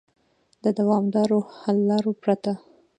د دوامدارو حل لارو پرته